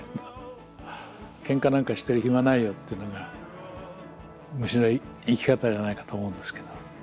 ケンカなんかしてる暇ないよっていうのが虫の生き方じゃないかと思うんですけど。